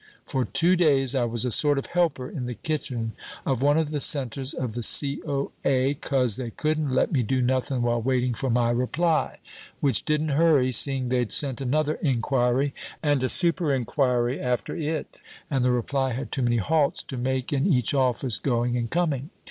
For two days I was a sort of helper in the kitchen of one of the centers of the C.O.A., 'cos they couldn't let me do nothing while waiting for my reply, which didn't hurry, seeing they'd sent another inquiry and a super inquiry after it, and the reply had too many halts to make in each office, going and coming.